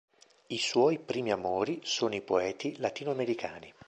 I suoi primi amori sono i poeti latinoamericani.